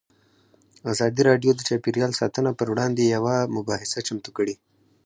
ازادي راډیو د چاپیریال ساتنه پر وړاندې یوه مباحثه چمتو کړې.